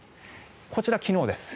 こちら、昨日です。